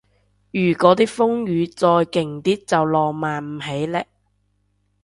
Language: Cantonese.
如嗰啲風雨再勁啲就浪漫唔起嘞